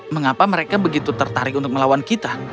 mengapa mereka begitu tertarik untuk melawan kita